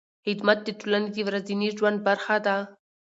خدمت د ټولنې د ورځني ژوند برخه ده.